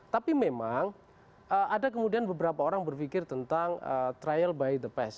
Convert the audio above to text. tapi memang ada kemudian beberapa orang berpikir tentang trial by the past